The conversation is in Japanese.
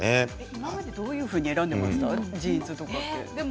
今までジーンズはどういうふうに選んでいましたか？